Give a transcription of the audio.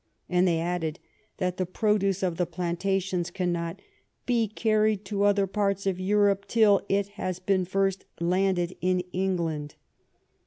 And they add that the product of the plantations cannot "be carried to other parts of Europe till it has been first landed in England."